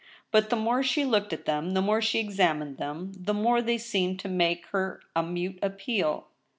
But the more she looked at them, the more she examined them, the more they seemed to make to her a mute appeal.